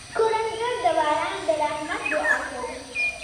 کروندګر د باران د رحمت دعا کوي